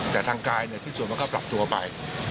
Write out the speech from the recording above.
แต่ทางกายที่ส่วนมาก็ปลอบตัวไป